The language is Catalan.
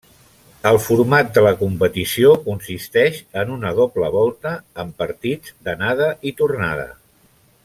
El format de la competició consisteix en una doble volta, amb partits d'anada i tornada.